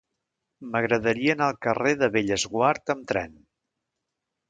M'agradaria anar al carrer de Bellesguard amb tren.